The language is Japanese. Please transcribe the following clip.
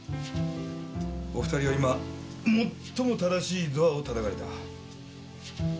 お２人は今最も正しいドアを叩かれた。